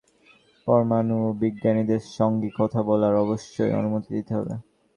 বিদেশিরা বলেছে, আমাদের পরমাণুবিজ্ঞানীদের সঙ্গে কথা বলার অবশ্যই অনুমতি দিতে হবে।